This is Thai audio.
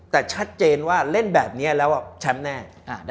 แต่ชัดเจนว่าเล่นแบบนี้แล้วแชมป์แน่